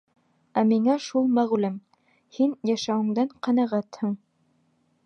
Ә миңә шул мәғлүм: һин йәшәүеңдән ҡәнәғәтһең.